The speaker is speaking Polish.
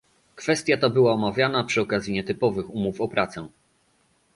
Kwestia ta była omawiana przy okazji nietypowych umów o pracę